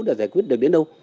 một câu trả lời thỏa đáng